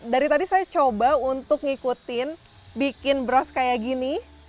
dari tadi saya coba untuk mengikuti bikin bros seperti ini